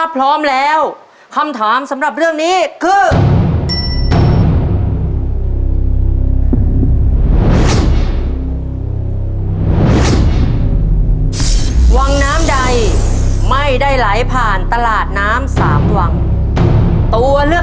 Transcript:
พร้อมแล้วคำถามสำหรับเรื่องนี้คือ